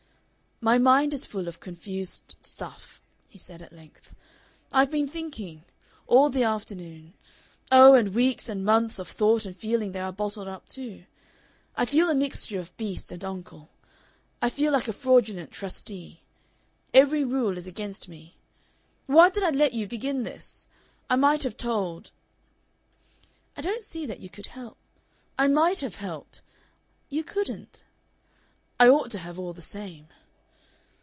"My mind is full of confused stuff," he said at length. "I've been thinking all the afternoon. Oh, and weeks and months of thought and feeling there are bottled up too.... I feel a mixture of beast and uncle. I feel like a fraudulent trustee. Every rule is against me Why did I let you begin this? I might have told " "I don't see that you could help " "I might have helped " "You couldn't." "I ought to have all the same.